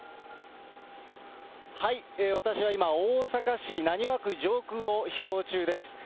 私は今、大阪市浪速区上空を飛行中です。